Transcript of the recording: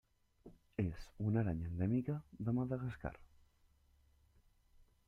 És una aranya endèmica de Madagascar.